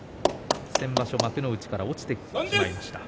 先場所幕内から落ちてしまいました。